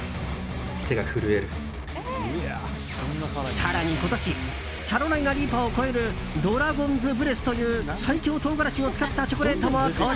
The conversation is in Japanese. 更に今年キャロライナ・リーパーを超えるドラゴンズ・ブレスという最強唐辛子を使ったチョコレートも登場。